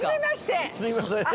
すいません。